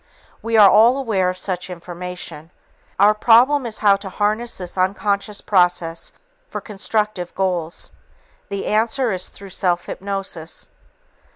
We are all aware of such information. Our problem is how to harness this unconscious process for constructive goals. The answer is through self hypnosis.